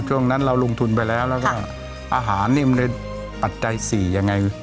ช่วงนั้นเราลงทุนไปแล้วแล้วก็อาหารนี่มันในปัจจัย๔ยังไง